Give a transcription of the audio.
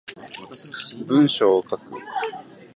文章を書く